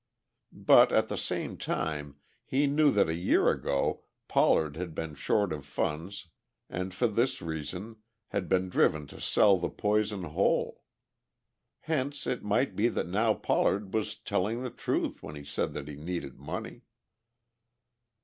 But at the same time he knew that a year ago Pollard had been short of funds and for this reason had been driven to sell the Poison Hole. Hence it might be that now Pollard was telling the truth when he said that he needed money.